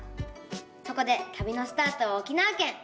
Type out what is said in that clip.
そこでたびのスタートは沖縄県。